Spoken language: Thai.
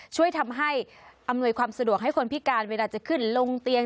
ช่วยทำให้อำนวยความสะดวกให้คนพิการเวลาจะขึ้นลงเตียง